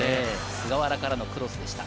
菅原からのクロスでした。